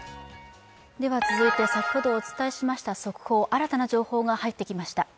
続いて、先ほどお伝えしました速報、新たな情報が入ってきました。